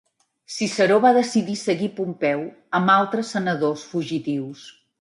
Ciceró va decidir seguir Pompeu amb altres senadors fugitius.